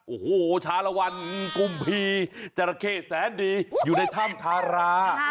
โอ้โหชาลวันกุมพีจราเข้แสนดีอยู่ในถ้ำทารา